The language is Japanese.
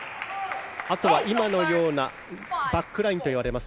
あとは今のようなバックラインといわれます